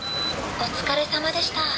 お疲れさまでした。